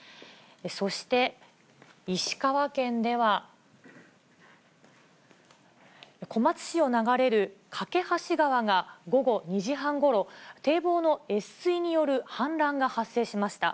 そして、石川県では、小松市を流れる梯川が、午後２時半ごろ、堤防の越水による氾濫が発生しました。